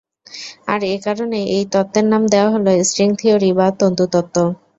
আর এ কারণেই এই তত্ত্বের নাম দেওয়া হলো স্ট্রিং থিওরি বা তন্তু তত্ত্ব।